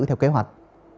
theo kế hoạch